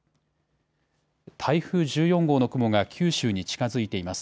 台風１４号の雲が九州に近づいています。